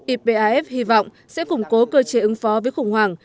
ipaf hy vọng sẽ củng cố cơ chế ứng phó với khủng hoảng